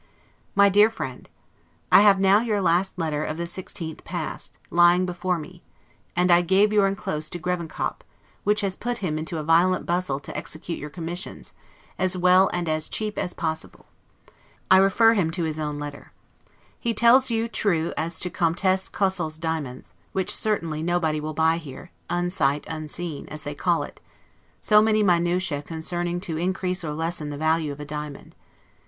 MY DEAR FRIEND: I have now your last letter, of the 16th past, lying before me, and I gave your inclosed to Grevenkop, which has put him into a violent bustle to execute your commissions, as well and as cheap as possible. I refer him to his own letter. He tells you true as to Comtesse Cosel's diamonds, which certainly nobody will buy here, unsight unseen, as they call it; so many minutiae concurring to increase or lessen the value of a diamond.